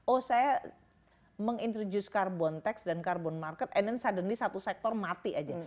oh saya mengintroduce carbon tax dan carbon market and sudanly satu sektor mati aja